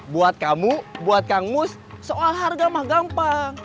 buat kamu buat kang mus soal harga mah gampang